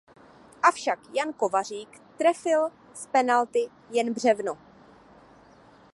Avšak Jan Kovařík trefil z penalty jen břevno.